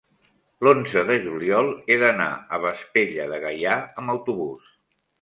l'onze de juliol he d'anar a Vespella de Gaià amb autobús.